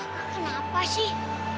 kak kakak kenapa sih